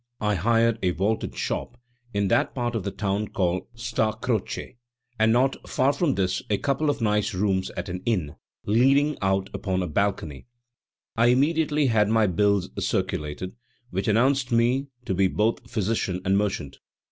I hired a vaulted shop, in that part of the town called Sta. Croce, and not far from this a couple of nice rooms at an inn, leading out upon a balcony. I immediately had my bills circulated, which announced me to be both physician and merchant.